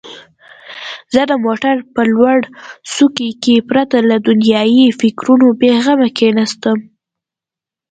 زه د موټر په لوړ څوکۍ کې پرته له دنیايي فکرونو بېغمه کښېناستم.